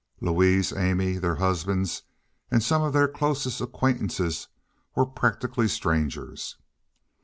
Louise, Amy, their husbands, and some of their closest acquaintances were practically strangers.